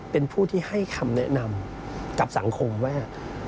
เป็นผู้ที่ให้คำแนะนำกับสังคมว่า